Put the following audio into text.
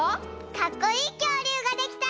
かっこいいきょうりゅうができたら。